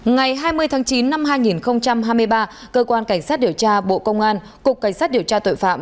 ngày hai mươi tháng chín năm hai nghìn hai mươi ba cơ quan cảnh sát điều tra bộ công an cục cảnh sát điều tra tội phạm